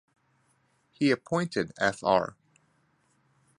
He appointed Fr.